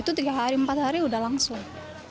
itu tiga hari empat hari udah langsung